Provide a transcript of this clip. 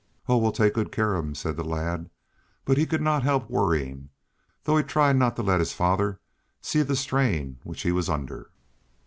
"Oh, we'll take good care of him," said the lad; but he could not help worrying, though he tried not to let his father see the strain which he was under.